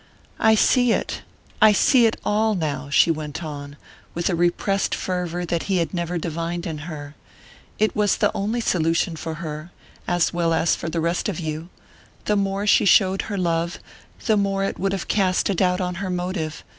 "I see it I see it all now," she went on, with a repressed fervour that he had never divined in her. "It was the only solution for her, as well as for the rest of you. The more she showed her love, the more it would have cast a doubt on her motive...